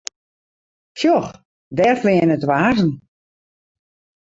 Sjoch, dêr fleane twa hazzen.